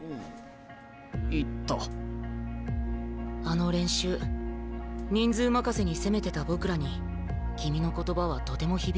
あの練習人数任せに攻めてた僕らに君の言葉はとても響いた。